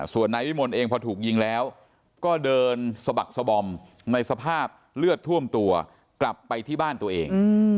ส่วนนายวิมลเองพอถูกยิงแล้วก็เดินสะบักสบอมในสภาพเลือดท่วมตัวกลับไปที่บ้านตัวเอง